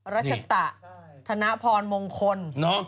รัชชะธนาคมงคล